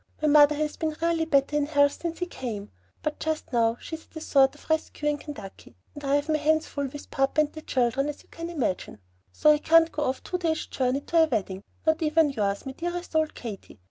My mother has been really better in health since he came, but just now she is at a sort of Rest Cure in Kentucky; and I have my hands full with papa and the children, as you can imagine, so I can't go off two days' journey to a wedding, not even to yours, my dearest old Katy.